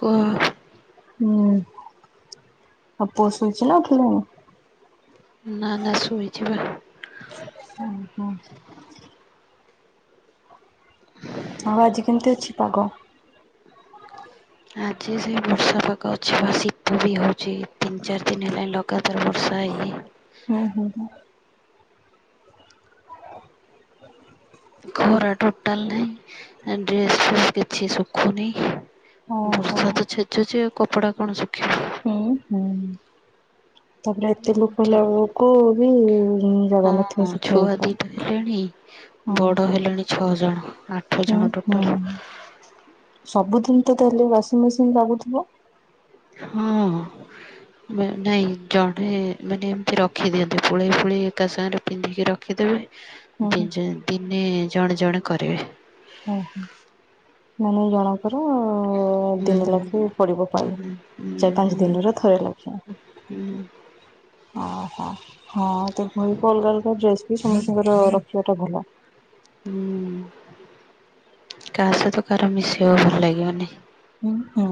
କୁହ। ହୁଁ, ଆଉ ପୁଅ ଶୋଇଛି ନା ଉଠି ଲାଣି? ନା ନା ଶୋଇଚି ନା। ହୁଁ ହୁଁ। ଆଉ ଆଜି କେମତି ଅଛି ପାଗ? ଆଜି ସେ ବର୍ଷା ପାଗ ଅଛି ବା ଶୀତ ବି ହଉଛି ତିନି ଚାରି ଦିନ ହେଲାଣି ଲଗାତାର ବର୍ଷା ହେଇ ହେଇ। ହୁଁ ହୁଁ ହୁଁ। ଖରା ଟୋଟାଲ ନାହିଁ, ଡ୍ରେସ୍ ଫ୍ରେସ୍ କିଛି ଶୁଖୁନି। ଓହୋ ବର୍ଷା ତ ଛେଚୁଛି ଆଉ କପଡା କଣ ଶୁଖିବ। ହୁଁ ହୁଁ। ତାପରେ ଏତେ ଲୋକ ହେଲା ବେଳକୁ ବି ଜାଗା ହଁ ନଥିବ ହଁ, ଶୁଖେଇବା ଛୁଆ ପାଇଁ। ଦିଟା ହେଲେଣି ବଡ଼ ଓହୋ ହେଲେଣି ଛଅ ଜଣ ଆଠ ହୁଁ ଜଣ ଟୋଟାଲ। ହୁଁ ସବୁଦିନ ତ ତାହେଲେ ୱାସିଂ ମେସିନ୍ ଲାଗୁଥିବ? ହଁ। ନାଇଁ ଜଣେ ମାନେ ଏମତି ରଖିଦିଅନ୍ତି ପୁଳେଇ ପୁଳେଇ ଏକା ସାଙ୍ଗରେ ପିନ୍ଧିକି ରଖିଦେବେ। ହୁଁ ହୁଁ ଦି ଦିନେ ଜଣେ ଜଣେ କରିବେ। ଓହୋ ମାନେ ଜଣଙ୍କର ହୁଁ ଦିନ ଲଖି ପଡିବ ହୁଁ ପାଳି। ହୁଁ ଚାରି, ପାଞ୍ଚ, ହୁଁ ଦିନରେ ଥରେ ଲାଖେ ହୁଁ ଓହୋ। ହଁ ଭଳିକୁ ଅଲଗା ଅଲଗା ଡ୍ରେସ ବି ସମସ୍ତଙ୍କର ରଖିବା ଟା ଭଲ। ହୁଁ କାହା ସହିତ କାହାର ମିଶିବାକୁ ଭଲ ଲାଗିବନି। ହଁ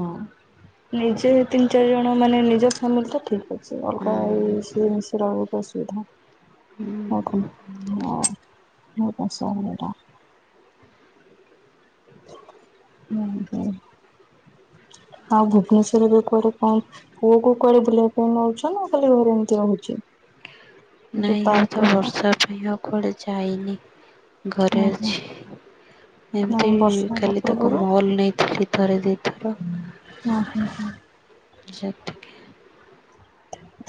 ନିଜେ, ତିନି, ଚାରି, ଜଣ ମାନେ ନିଜ ଫ୍ୟାମିଲି ତ ଠିକ୍ ଅଛି। ସେ ହୁଁ ଅଲଗା ଏଇ ସେ [unintelligible] ରକୁ ଅସୁବିଧା। ହୁଁ। [unintelligible] ଉଁ ହୁଁ ଆଉ ଭୁବନେଶ୍ଵର ରେ କଆଡେ କଣ। ପୁଅ କୁ କୁଆଡେ ବୁଲିବା ପାଇଁ ନଉଛ ନା ଖାଲି ଘରେ ଏମିତି ରହୁଛି? ଯୋଉ ନାଇଁ ମୁଁ ପାର୍କ ତ ଏକା ବର୍ଷା ପାଇଁ ଆଉ କୁଆଡେ ଯାଇନି ହୁଁ ଘରେ ହୁଁ ଅଛି। ଏମିତି ନାଇଁ ବର୍ଷା ହେଲା ଖାଲି ତାକୁ ପୂର୍ବରୁ ମଲ ନେଇଥିଲି ଥରେ ଦୁଇ ଥର। ହଁ ହୁଁ ହୁଁ। [unintelligible]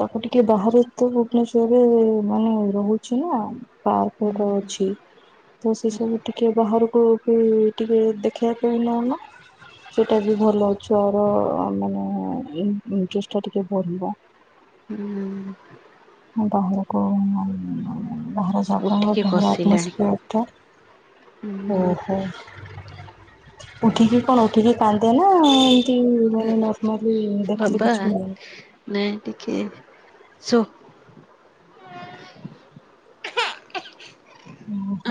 ତାକୁ ଟିକେ ବାହାରେ ତ ଭୁବନେଶ୍ଵରରେ ମାନେ ରହୁଛି ନା। ପାର୍କ ହୁଁ କହୁଚି। ତ ସେ ସବୁ ଟିକେ ବାହାରକୁ ବି ଟିକେ ଦେଖେଇବା ପାଇଁ ନଉନ। ସେଟା ବି ଭଲ ଅଛୁ ଆର ମାନେ ଚେଷ୍ଟା ଟିକେ ବଢିବ। ହୁଁ। [unintelligible] ବାହାର ଜାଗା ଉଠିକି ବାହାର ବସିଲାଣି ହୁଁ [unintelligible] ଉଠିକି କଣ ଉଠିକି କାନ୍ଦେ ନା କି ମାନେ ନର୍ମାଲି ଦେଖିଲେ କିଛି ବାବା ନାହିଁ। ନାଇଁ ଟିକେ ଶୁ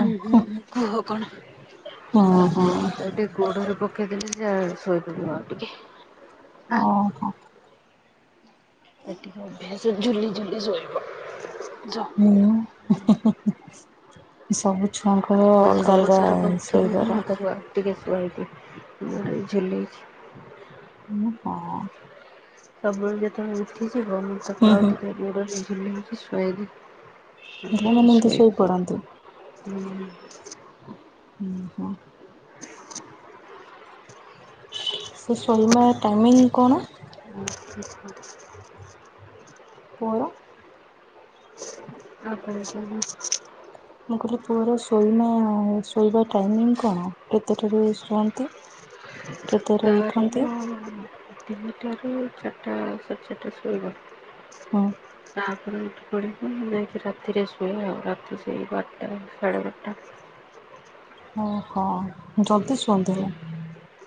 ଉଁ ହୁଁ କୁହ କଣ ହଁ ହଁ ତ ଟି ଗୋଡ଼ରେ ପକେଇ ଦେଲେ ସେ ଶୋଇପଡ଼ିବ ଆଉ ଟିକେ। ହଁ। ଏତିିକି ଅଭ୍ୟାସ ଜଝୁଲି ଜଝୁଲି ଶୋଇବା। ହୁଁ। ସବୁ ଛୁଆ ଙ୍କର ଏ ଅଲଗା ଅଲଗା ସବୁଥରକ ସେଇ ଉଠିପଡେ ବାର। ମୁଁ ତାକୁ ଆଉ ଟିକେ ଶଆଦିଅ ଝୁଲେଇଛି। ହୁଁ ହଁ। ସଵୁବେଳେ ଯେତେବେଳେ ଉଠିଜିବ ମୁଁ ତାକୁ ଆଉ ହୁଁ ଟିକେ ଗୋଡ଼ରେ ଝୁଲେଇ କି ସୋଇଦେବି। ପିଲାମାନେ ଏମିତି ଶୋଇ ପଡନ୍ତି। ହୁଁ। ହୁଁ ହୁଁ। ସେ ସୋଲ୍ ମା ଟାଇମିଂ କଣ? ଆଛ [inaudible] କୋଳ। ଆପଣ ସ୍ୱାମୀ। ମୁଁ କହିଲି ପୁଅର ଶୋଇ ମା ଶୋଇବା ଟାଇମଂ କଣ? କେତେଟାରେ ଶୁଅନ୍ତି। [inaudible] ଉଠନ୍ତି? ତାରନ ତିନିଟାରୁ ଚାରିଟା ସାଢ଼େ ଚାରିଟା ଶୋଇବ। ହଁ। ତାପରେ ମୁଁ ଉଠି ପଡିବି। ମୁଁ ଯାଇକି ରାତିରେ ଶୁଏ। ଆଉ ରାତି ସେଇ ବାରଟା ସାଢେ ବାରଟା। ଓହୋ ଜଲଦି ଶୁଣିଦେଲ।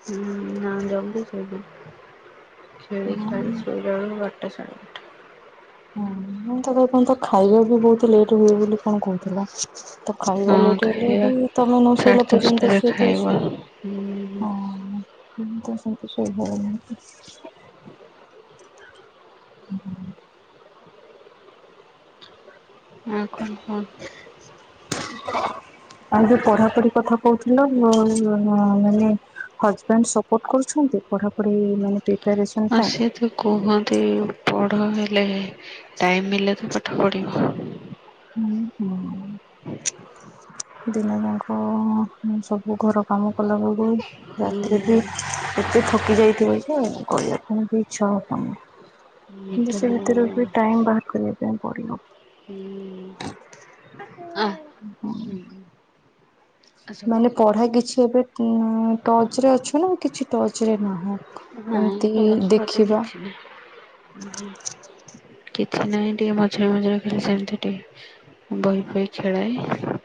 ହୁଁ ନା ଜଉଠି ସେଇଠି ଖେଳି ଖାଳି ଶୋ। ନା ବାଟ ଛାଡ଼। ହଁ ମୁଁ ତ ଏପର୍ଯ୍ୟନ୍ତ ଖାଇବା ବହୁତ ଲେଟ ହୁଏ ବୋଲି କଣ କହୁ। ହେଲା ବାରଟା। ଖାଇବା ହଁ ଲେଟ ହେଲେ ଖାଇବା ବି ତମେ ନ ଶୋଇଲା ସାଢ଼େ ପର୍ଯ୍ୟନ୍ତ ଦଶଟାରେ ସିଏ କୋଉ ଖାଇବା। ଶୁଏ। ହୁଁ ଉଁ। ହନ୍ତ ସେଇ ଭଳିଆ ନୁହେଁ କି? ହୁଁ ଉଁ। ଆଉ କଣ କ। ହ [unintelligible] ଆଉ ଯୋଉ ପଢାପଢି କଥା କହୁଥିଲୁ ମୁଁ ମୁଁ ମାନେ। ହଜବେଣ୍ଡେ ସପୋଟ କରୁଛନ୍ତି। ପଢାପଢି ମାନେ ପାଇଁ। ପ୍ରିପାରେସନ ଆସେ ଥୁ। କୁହନ୍ତି ପଢ଼ ହେଲେ ଟାଇମ୍ ମିଲେ ତ ପାଠ ପଢ଼ିବ। ହୁଁ ହୁଁ। ଦିନ ଯାଙ୍କ ସବୁ ଘର କାମ କଲାବେକୁ ହୁଁ ରାତିରେ ବି ଏତେ ଥକି ଯାଇଥିବ ଯେ ଆ କରିବା ପୁଣି ଇଚ୍ଛା ହେବନି। କିନ୍ତୁ ଏଇଟା ସେ ହୁଁ ଭିତରେ ବି ଟାଇମ ବାହାର କରିବା ପାଇଁ ପଡ଼ିବ। ହୁଁ ଆ। ହୁଁ। ଆସ ମାନେ ପଢା କିଛି ଏବେ ଟଚରେ ଅଛ ନା କିଛି ଟଚ ରେ ନାହଁ। ନାଇଁ ଏମିତି କି ଟର୍ଚ୍ଚ ଫର୍ଚ୍ଚ ଦେଖିବା। କିଛି ନାହିଁ। [unintelligible] କିଛି ନାହିଁ ଟିକେ ମଝିରେ ମଝିରେ ଖାଲି ସେମିତି ଟିକେ ବହି ଫଇ ଖେଳାଏ।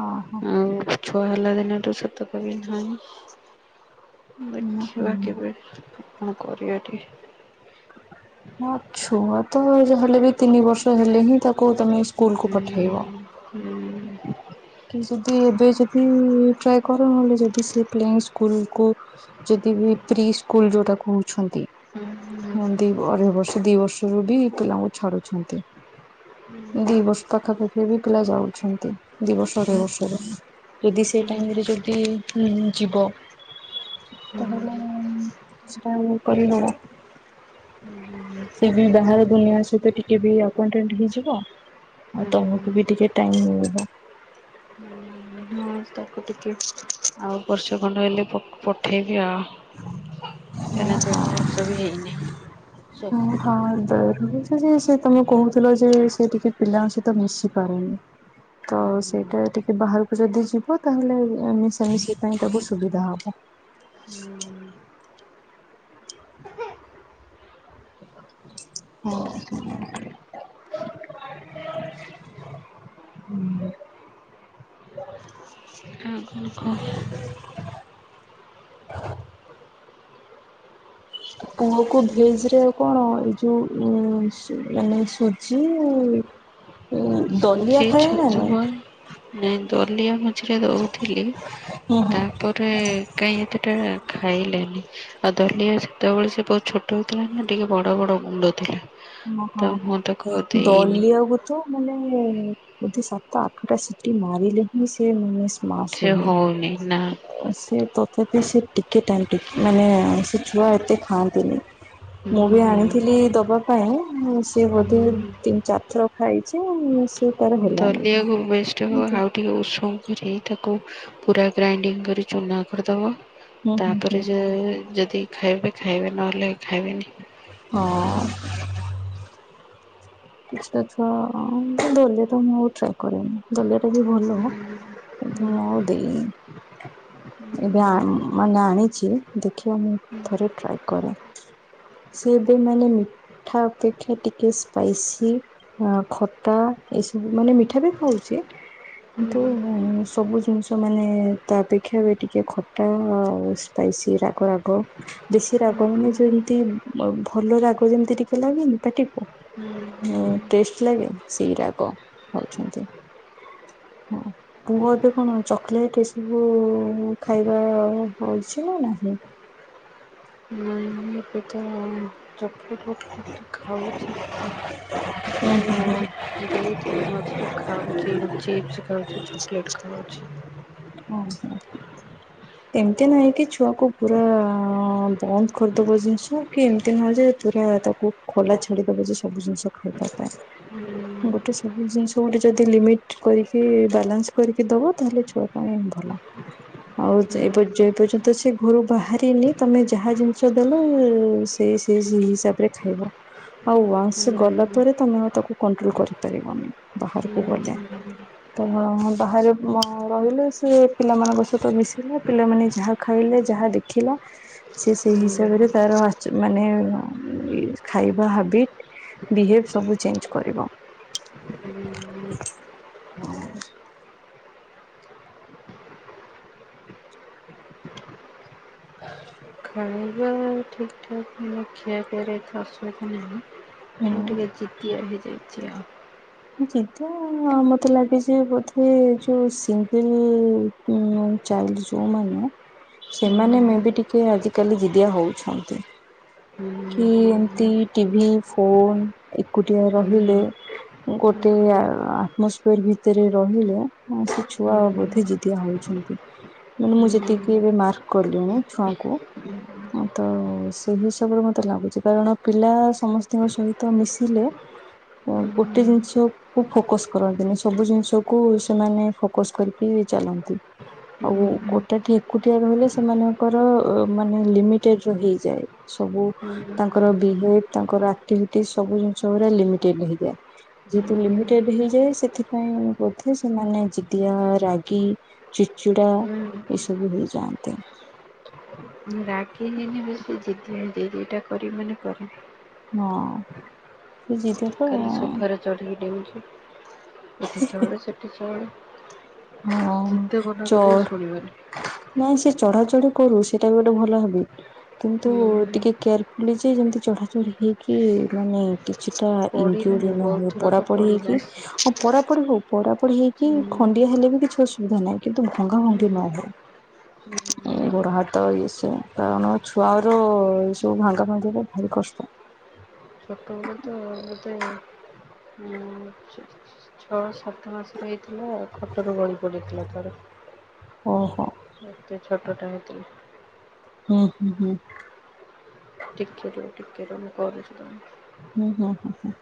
ହଁ ହଁ। ଆଉ ଛୁଆ ହେଲା ଦିନଠୁ ସେତକ ଵି ନାହିଁ ହୁଁ ଦେଖିବା ହୁଁ। କେବେ କରିବାଟି। ହଁ ଛୁଆ ତ ଯାହାହେଲେ ବି ତିନି ବର୍ଷ ହେଲେ ହିଁ ତାକୁ ତମେ ସ୍କୁଲକୁୁ ପଠେଇବ। ହୁଁ। ଓ [unintelligible] କି ଯଦି ଏବେ ଯଦି ଟ୍ରଏ କର ନହେଲେ ଯଦି ସେ ପ୍ଲେନ ସ୍କୁଲ କୁ ଯଦି ବି ପ୍ରି ସ୍କୁଲ ଯୋଉଟା କହୁଛନ୍ତି ହୁଁ ଦି ଅଢ଼େଇ ବର୍ଷ ଦି ବର୍ଷରୁ ବି ପିଲାଙ୍କୁ ଛାଡୁଛନ୍ତି। ଦି ବର୍ଷ ପାଖା ପାାଖି ବି ପିଲା ଯାଉଛନ୍ତି ଦି ବର୍ଷ ଅଢ଼େଇ ବର୍ଷର। ଯଦି ସେ ଟାଇମ ରେ ଯଦି ଯିବ। ତାହେଲେ କିଛିଟା କରିବ। ହୁଁ [unintelligible] ସେ ବି ବାହାର ଦୁନିଆ ସହିତ ଟିକେ ବି [unintelligible] ହେଇଯିବ। ଆଉ ତମକୁ ବି ଟିକେ ଟାଇମ ମିଳିବ। ହଁ ତ। ଟିକେ ଆଉ ବର୍ଷ ଖଣ୍ଡ ହେଲେ [unintelligible] ଠିକ ଆ ହଁ ହଁ ଦୟ ରଛି ଯେ ସେ ତମେ କହୁଥିଲ ଯେ ସେ ଟିକେ ପିଲାଙ୍କ ସହିତ ମିଶି ପାରେନି। ତ ସେଇଟା ଟିକେ ବାହାରକୁ ଯଦି ଯିବ ତାହେଲେ ମିଶା ମିଶି ପାଇଁ ସବୁ ସୁବିଧା ହବ। [inaudible] ଆଉ କଣ କହ। ପୁଅକୁ ଭେଜ ରେ ଆଉ କଣ ଏଇ ଯୋଉ ଉଁ ମାନେ ସୁଜି। ଦଲିଆ ସୁଜି ଖାଏ ନା ନାଇଁ ଛତୁଆ। ନାଇଁ ଦଲିଆ ମଝିରେ ଦଉଥିଲି ହୁଁ ହୁଁ। ତା। ପରେ କାଇଁ ଏତଟା ଖାଇଲାନି। ଆଉ ଦଲିଆ ସେତେବେଳେ ସେ ବହୁତ ଛୋଟ ଥିଲା ନା ଟିକେ ବଡ ବଡ ଗୁଣ୍ଡ ଥିଲା। ଓ ତ ହଁ ମୁଁ ତାକୁ ଆଉ ହଁ ଦେଇନି ଦଲିଆ କୁ। ତ ମାନେ ବୋଧେ ସାତା ଆଠଟା ସିଟି ମାରିଲେ ହିଁ ସେ ମାନେ ମାସ୍ ସେ ହୁଏ। ହଉନି ନା ସେ ତଥାପି ସେ ଟିକେ ଟାଇମ୍ ଟେକି ମାନେ ସେ ଛୁଆ ଏତେ ଖାଆନ୍ତିନି। ମୁଁ ବି ହୁଁ ଆଣିଥିଲି ଦବା ପାଇଁ ସିଏ ବୋଧେ ତିନି ଚାରିଥର ଖାଇଛି। ସେ ତାର ହେଲାନି। ଦଲିଆକୁ ବେଷ୍ଟ ହୁଁ ହବ ଆଉ ହୁଁ ଟିକେ ଉଷୁମ। କରି ତାକୁ ପୁରା ଗ୍ରାଇଣ୍ଡିଙ୍ଗ କରି ଚୁନା କରିଦବ। ହୁଁ ତାପରେ ଯେ ଯଦି ଖାଇବେ ଖାଇବେ ନହେଲେ ଖାଇବେନି। ହଁ। କିଛିଟା ଛୁଆ ଦଲିଆ ତ ମୁଁ ଟ୍ରାଏ କରେନି ଦଲିଆ ଟା ବି ଭଲ। କିନ୍ତୁ ମୁଁ ଆଉ ଦେଇନି। ଏବେ ଆ ମାନେ ଆଣିଛି ଦେଖିବା ମୁଁ ଥରେ ଟ୍ରାଏ କରେ। ସିଏ ଏବେ ମାନେ ମିଠା ଅପେକ୍ଷା ଟିକେ ସ୍ପାଇସି। କି ଆଁ ଖଟା ଏଇସବୁ ମାନେ ମିଠା ବି ଖାଉଛି। କିନ୍ତୁ ସବୁ ଜିନିଷ ମାନେ ତା ଅପେକ୍ଷା ଟିକେ ଖଟା ଆଉ। ସ୍ପାଇସି୍ ରାଗ ରାଗ। ବେଶୀ ରାଗ ମାନେ ଯେମିତି ଭଲ ରାଗ ଯେମିତି ଟିକେ ଲାଗେନି ପାଟିକୁ। ଉଁ ଟେଷ୍ଟ ଲାଗେ ସୋଇରାକ ଖାଉଛନ୍ତି ହଁ। ପୁଅ ଏବେ କଣ ଚକ୍ଲେଟ ଏସବୁ ଖାଇବା ଅଛି ନା ନାହିଁ। ନାହିଁ। ଏଠି ନାହିଁ। ଚକଲେଟ୍ ଲକେଟ୍ ତ ଖାଉଛି ତାକୁ। ଦେଇଥିଲି ମଝିରେ ଖାଉଛି ଚିପ୍ସ ଖାଉଛି ଚକଲେଟ ଖାଉଛି। ଅଁ ହଁ। ଏମିତି ନାହିଁ କି ଛୁଆକୁ ପୁରା ବନ୍ଦ କରିଦବ ଜିନିଷ କି ଏମତି ନୁହଁ ଯେ ପୁରା ତାକୁ। ଖୋଲା ଛାଡିଦବ ଯେ ସବୁ ଜିନିଷ ଖାଇବା ପାଇଁ। ଗୋଟେ ସବୁ ଜିନିଷ ଗୋଟେ ଯଦି ଲିମିଟ୍ କରିକି ବାଲାନ୍ସ୍ କରିକି ଦବ ତାହେଲେ ଛୁଆ। ପାଇଁ ଭଲ ଆଉ। ଏପ ଯେ ପର୍ଯ୍ୟନ୍ତ ସେ ଘରୁ ବାହାରିନି ତମେ ଯାହା ଜିନିଷ ଦେଲ ସେ ସେଇ ହିସାବରେ। ଖାଇବ। ଆଉ ୱନ୍ସ ସେ ଗଲା ପରେ ତମେ ଆଉ ତାକୁ କଣ୍ଟ୍ରୋଲ କରିପାରିବନି ବାହାରକୁ ଗଲେ। କାରଣ ବାହାରେ ରହିଲେ ସେ ପିଲାମାନଙ୍କ ସହିତ ମିଶିଲା। ପିଲାମାନେ ଯାହା ଖାଇଲେ ଯାହା ଦେଖିଲା। ସିଏ ସେଇ ହିସାବରେ ତାର ଆଚ୍ ମାନେ ଖାଇବା ହାବିଟ୍। ବି ହେବ୍ ସବୁ ଚେଞ‌୍ କରିବ। ହ [inaudible] [unintelligible] ଠିକ୍ ଠାକ୍ ମୋ ଖିଆ ପିଆରେ ଏତେ ଅସୁବିଧା ନାହିଁ ହେଲେ ଟିକେ [inaudible] ହେଇଯାଇଛ ଲ ଜିଦ ମତେ ଲାଗେ ଯେ ବୋଧେ ଯୋଉ ସିଙ୍ଗଲ ନୁ ଚାଳଚୁ ମାନେ ହୁଁ ସେମାନେ ମେ ବି ଟିକେ ଆଜିକାଲି ଜିଦିଆ ହଉଛନ୍ତି କି ହୁଁ ହୁଁ ଏମତି ଟିଭି ଫୋନ ଏକୁଟିଆ ହୁଁ ହୁଁ ରହିଲେ। ହୁଁ ଗୋଟେ ଆଟମସଫିୟର ଭିତରେ ରହିଲେ ସେ ହୁଁ ହୁଁ ଛୁଆ ବୋଧେ ଜିଦିଆ ହଉଛି। ହୁଁ ହୁଁ ମୁଁ ହୁଁ ଯେତିକି ଏବେ ମାର୍କ କଲିଣି ଛୁଆଙ୍କୁ ହଁ ତ ସେଇ ହିସାବରେ ମ ମତେ ଲାଗୁଛି କାରଣ ପିଲା ସମସ୍ତଙ୍କ ସହିତ ମିଶିଲେ ଗୋଟେ ଜିନିଷ ବୁ ଫୋକସ କରନ୍ତିନି ସବୁ ଜିନିଷକୁୁ ସେମାନେ ଫୋକସ କରିକି ଚାଲନ୍ତି ହୁଁ ଆଉ ହୁଁ ଗୋଟାଟି ଏକୁଟିଆ ରହିଲେ ସେମାନଙ୍କର ମାନେ ଲିମିଟେଡ ର ହେଇଯାଏ। ସବୁ ହୁଁ ହୁଁ ତାଙ୍କର ବିହେବ ତାଙ୍କର ଆକ୍ଟିଭିଟି ସବୁ ଜିନିଷ ଲମିଟେଡ ହେଇଯାଏ। ଯେହେତୁ ଲିମିଟେଡ ହେଇଯାଏ ସେଥିପାଇଁ ବୋଧେ ସେମାନେ ଜିଦିଆ ରାଗ ଚିଚିଡା ଏସବୁ ହେଇଯାଆନ୍ତି। ହୁଁ ରାଗୀ କିନି ବେସି ଜିଦିଆ ଏଇଟା କରିବି ମାନେ କରିବି। ହଁ ସେ ଜିଦିଆ ତ ଖାଲି ସୋଫାରେ ଚଢ଼ିକି ଡେଉଁଛି ଏଠି ଚଢେ ସେଠି ଚଢେ ହଁ ଚଢ଼ ନାଇଁ ସେ ଚଢାଚଢି କରୁ ସେଇଟା ବି ଗୋଟେ ଭଲ ଭାବି କିନ୍ତୁ ହୁଁ ଟିକେ କେୟାର ନିଜେ ଯେମିତି ଚଢା ଚଢି ହେଇକି ମାନେ କିଛିଟା ଇଞ୍ଜୁରି ପଢିଲାଣି ବହୁତ ନହୁଏ ଥର ପଡ଼ା ତ ପଡୀ ହେଇକି ପଢିଲାଣି। ହ ପରାପଡି ହଉ ପରାପଡି ହେଇକି ହୁଁ ଖ ହେଲେ ବି କିଛି ଅସୁବିଧା ନାହିଁ କିନ୍ତୁ ଭଙ୍ଗା ହୁଁ ଭଙ୍ଗି ନ ହଉ ହୁଁ ଇଏ ଗୋଡ଼ହାତ ଇଏ ସେ କାରଣ ଛୁଆର ଏସବୁ ଭାଙ୍ଗା ଭାଙ୍ଗିରେ ଭାରି କଷ୍ଟ ଛୋଟବେଳେ ତ ବୋଧେ ଆଁ ଛଅ ସାତ ମାସରେ ହେଇଥିଲା ଖଟରୁ ଗଳି ପଡିଥିଲା ଥରେ ଓହୋ ଏତେ ଛୋଟଟା ହେଇଥିଲା। ହୁଁ ହୁଁ ହୁଁ ଟିକେ ର ଟିକେ ର ମୁଁ କରୁଛି ତମକୁ ହୁଁ ହୁଁ ହୁଁ ହୁଁ